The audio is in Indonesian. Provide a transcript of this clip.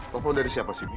telepon dari siapa sih mi